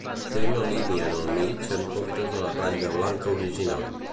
Té una línia en el mig en comptes de la ratlla blanca original.